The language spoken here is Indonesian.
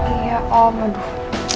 iya om aduh